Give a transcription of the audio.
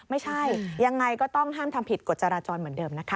ไม่ใช่ยังไงก็ต้องห้ามทำผิดกฎจราจรเหมือนเดิมนะคะ